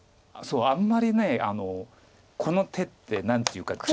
そうあんまりこの手って何ていうか。